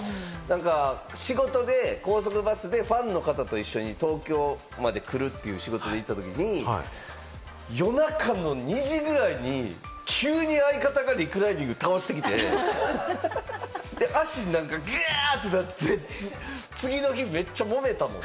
昔は、ホンマにあんな席、広くなくて仕事で高速バスでファンの方と一緒に東京まで来るっていう仕事で行った時に夜中の２時ぐらいに急に相方がリクライニング倒してきて、足、ガってなって、次の日めっちゃ揉めたもん！